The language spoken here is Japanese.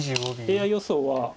ＡＩ予想は。